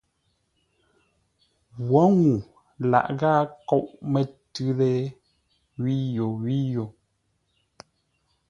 Wǒ ŋuu laghʼ ghâa nkóʼ mətʉ́ lée wíyo wíyo.